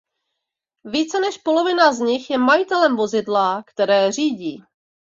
Více než polovina z nich je majitelem vozidla, které řídí.